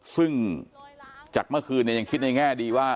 ซึ่งจากเมื่อคืนยังคิดในแง่ดีว่า